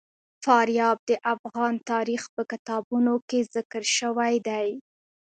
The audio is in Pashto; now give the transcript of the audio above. فاریاب د افغان تاریخ په کتابونو کې ذکر شوی دي.